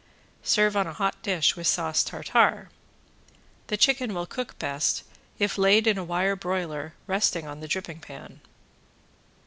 Serve on a hot dish with sauce tartare. The chicken will cook best if laid in a wire broiler resting on the dripping pan.